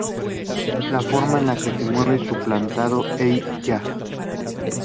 The Way You Move" suplantó a "Hey Ya!